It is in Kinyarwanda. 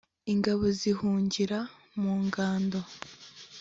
ingabo zihungira mu ngando